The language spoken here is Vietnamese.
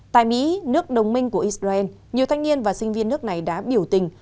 tại mỹ nước đồng minh của israel nhiều thanh niên và sinh viên nước này đã biểu tình